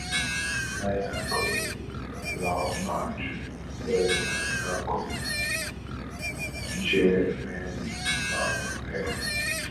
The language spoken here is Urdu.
نہ یہاں کوئی لانگ مارچ ہوئی ‘نہ یہاں کوئی چیئرمین ماؤ ہے۔